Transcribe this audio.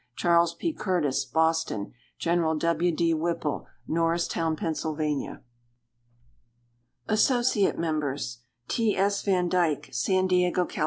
Charles P. Curtis, Boston. Gen. W. D. Whipple, Norristown, Pa. Associate Members. T. S. Van Dyke, San Diego, Cal.